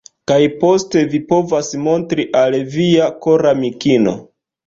Kaj poste vi povas montri al via koramikino.